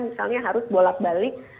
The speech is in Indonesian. misalnya harus bolak balik